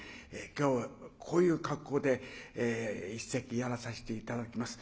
今日こういう格好で一席やらさせて頂きます。